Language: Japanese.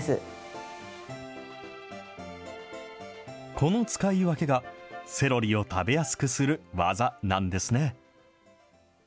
この使い分けが、セロリを食べやすくする技なんですね。